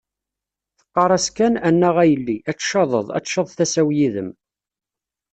Teqqar-as kan, anaɣ a yelli, ad tcaḍeḍ, ad tcaḍ tasa-w yid-m.